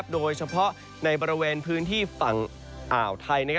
โดยเฉพาะในบริเวณพื้นที่ฝั่งอ่าวไทย